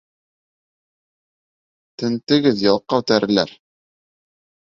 — Тентегеҙ, ялҡау тәреләр!